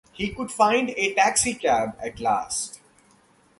He could find a taxicab at last.